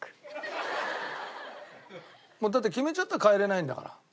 もうだって決めちゃったら変えられないんだから。